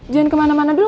jangan kemana mana dulu